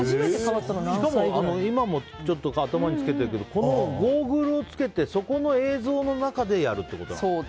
しかも、今も頭につけてるけどそのゴーグルをつけてそこの映像の中でやるってことなの？